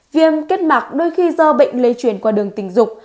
viêm kết mạc đôi khi do bệnh lây truyền qua đường tình dục